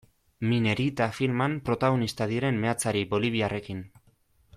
Minerita filman protagonista diren meatzari boliviarrekin.